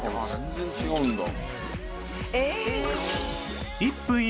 「全然違うんだ」